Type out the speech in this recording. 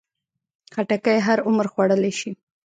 خټکی هر عمر خوړلی شي.